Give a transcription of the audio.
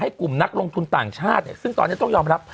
กลุ่มนักลงทุนต่างชาติเนี่ยซึ่งตอนนี้ต้องยอมรับ